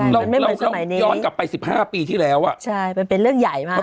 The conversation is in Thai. ใช่ไม่เหมือนสมัยนี้ย้อนกลับไปสิบห้าปีที่แล้วอ่ะใช่มันเป็นเรื่องใหญ่มาก